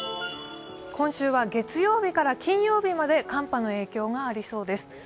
今週は月曜日から金曜日まで寒波の影響がありそうです。